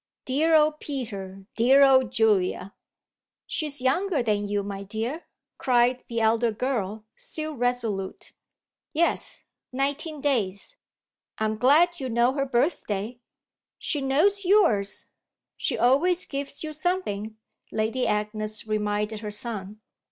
Dear old Peter, dear old Julia!" "She's younger than you, my dear!" cried the elder girl, still resolute. "Yes, nineteen days." "I'm glad you know her birthday." "She knows yours; she always gives you something," Lady Agnes reminded her son.